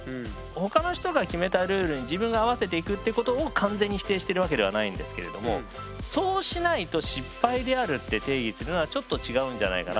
他の人が決めたルールに自分が合わせていくっていうことを完全に否定してるわけではないんですけれどもそうしないと失敗であるって定義するのはちょっと違うんじゃないかなと思って。